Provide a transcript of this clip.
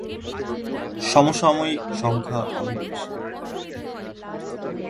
সমসাময়িক সংখ্যা অনেক বেশি।